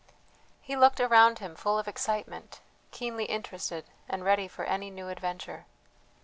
He looked around him full of excitement, keenly interested, and ready for any new adventure.